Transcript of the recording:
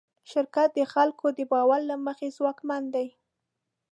شرکت د خلکو د باور له مخې ځواکمن دی.